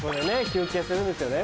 休憩するんですよね